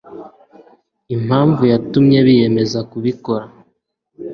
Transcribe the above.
impamvu yatumye biyemeza kubikora